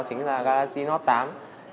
chính là galaxy note tám